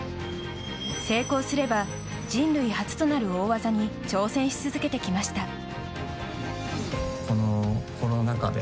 成功すれば人類初となる大技に挑戦し続けてきました。